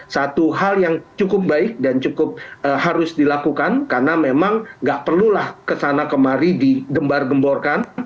satu hal yang cukup baik dan cukup harus dilakukan karena memang nggak perlulah kesana kemari digembar gemborkan